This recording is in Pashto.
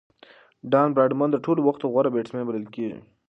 ډان براډمن د ټولو وختو غوره بيټسمېن بلل کیږي.